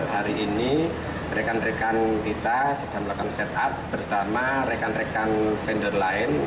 hari ini rekan rekan kita sedang melakukan set up bersama rekan rekan vendor lain